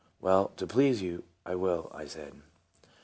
"Well, to please you, I will," I said.